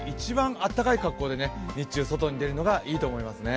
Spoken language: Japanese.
あったかい格好で日中外に出るのがいいと思いますね。